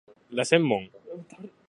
凱旋門